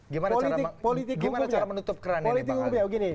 gimana cara menutup kerannya ini bang ali